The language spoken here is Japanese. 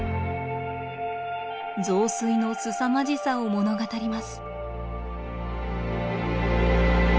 増水のすさまじさを物語ります。